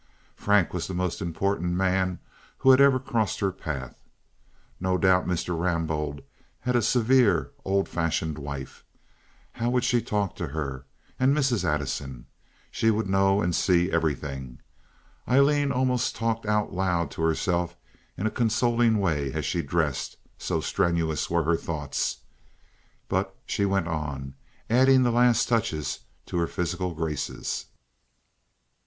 Frank was the most important man who had ever crossed her path. No doubt Mr. Rambaud had a severe, old fashioned wife. How would she talk to her? And Mrs. Addison! She would know and see everything. Aileen almost talked out loud to herself in a consoling way as she dressed, so strenuous were her thoughts; but she went on, adding the last touches to her physical graces.